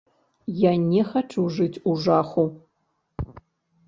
Я не хачу жыць у жаху.